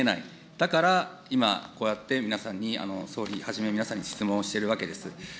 だから今、こうやって皆さんに、総理はじめ、皆さんに質問しているわけです。